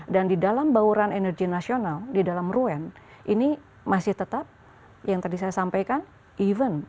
dan di dalam bauran energi nasional di dalam ruen ini masih tetap yang tadi saya sampaikan even